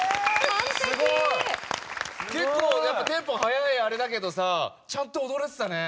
結構やっぱテンポ速いあれだけどさちゃんと踊れてたね。